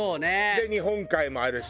で日本海もあるし。